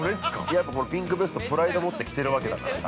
やっぱピンクベストプライドをもって着てるわけだからさ。